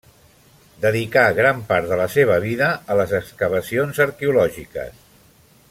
Dedicà gran part de la seva vida a les excavacions arqueològiques.